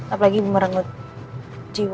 apalagi merenggut jiwa